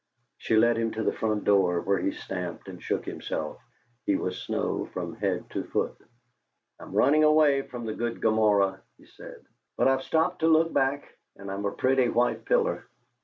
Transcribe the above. She led him to the front door, where he stamped and shook himself; he was snow from head to foot. "I'm running away from the good Gomorrah," he said, "but I've stopped to look back, and I'm a pretty white pillar."